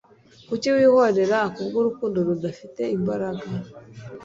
Kuki wihorera kubwurukundo rudafite imbaraga